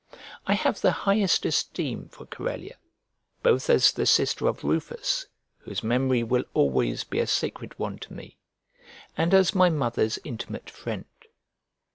I have the highest esteem for Corellia, both as the sister of Rufus, whose memory will always be a sacred one to me, and as my mother's intimate friend.